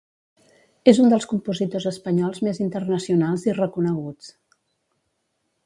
És un dels compositors espanyols més internacionals i reconeguts.